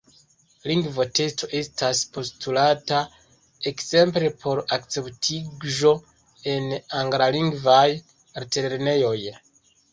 Lingvo-testo estas postulata ekzemple por akceptiĝo en anglalingvaj altlernejoj.